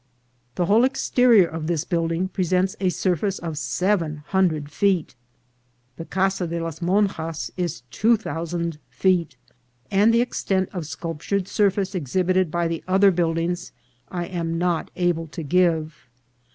The whole exterior of this building presents a surface of seven hundred feet ; the Casa de las Monjas is two thousand feet, and the extent of sculptured surface exhibited by the other build ings I am not able to give.